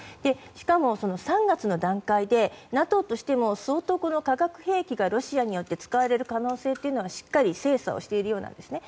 しかも、３月の段階でＮＡＴＯとしても相当、化学兵器がロシアによって使われる可能性がしっかり精査をしているようんですね。